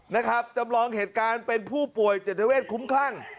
นะครับจำลองเหตุการณ์เป็นผู้ป่วยจิตเวทคุ้มคลั่ง